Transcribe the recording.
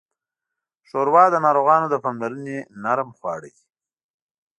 ښوروا د ناروغانو د پاملرنې نرمه خواړه ده.